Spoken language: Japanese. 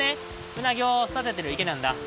うなぎを育ててる池なんだ。